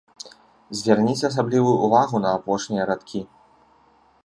Звярніце асаблівую ўвагу на апошнія радкі.